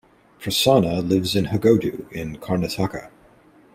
Prasanna lives in Heggodu in Karnataka.